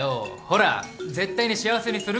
ほら絶対に幸せにするから。